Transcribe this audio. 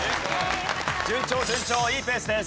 順調順調いいペースです。